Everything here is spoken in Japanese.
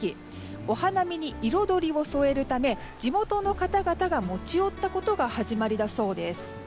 お花見に彩りを添えるため地元の方々が持ち寄ったことが始まりだそうです。